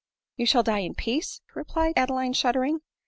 „" You shall die in peace !" replied Adeline shuddering.